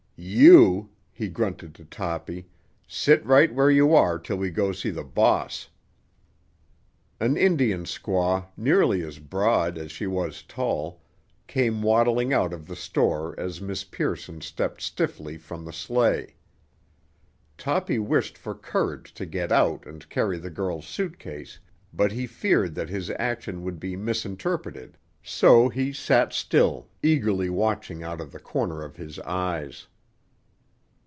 "You," he grunted to Toppy, "sit right where you are till we go see the boss." An Indian squaw, nearly as broad as she was tall, came waddling out of the store as Miss Pearson stepped stiffly from the sleigh. Toppy wished for courage to get out and carry the girl's suitcase, but he feared that his action would be misinterpreted; so he sat still, eagerly watching out of the corner of his eyes.